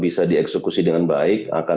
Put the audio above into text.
bisa dieksekusi dengan baik akan